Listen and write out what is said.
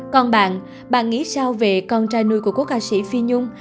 còn bạn bạn nghĩ sao về con trai nuôi của cố ca sĩ phi nhung